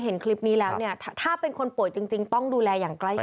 เห็นคลิปนี้แล้วเนี่ยถ้าเป็นคนป่วยจริงต้องดูแลอย่างใกล้ชิด